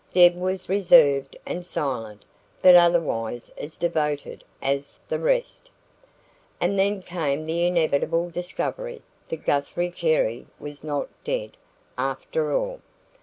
Deb was reserved and silent, but otherwise as devoted as the rest. And then came the inevitable discovery that Guthrie Carey was not dead, after all.